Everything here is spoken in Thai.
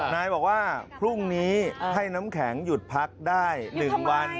นายบอกว่าพรุ่งนี้ให้น้ำแข็งหยุดพักได้๑วัน